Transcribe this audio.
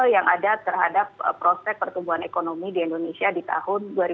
yang ada terhadap prospek pertumbuhan ekonomi di indonesia di tahun dua ribu dua puluh